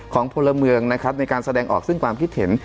พลเมืองนะครับในการแสดงออกซึ่งความคิดเห็น